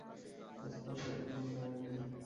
আজ তাঁহার শরীরে কোনো গ্লানি নাই।